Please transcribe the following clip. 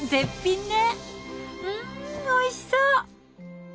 うんおいしそう！